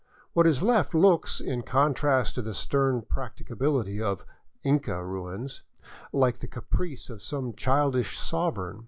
What is left looks, in contrast to the stern practicabiHty of " Inca " ruins, like the caprice of some childish sovereign.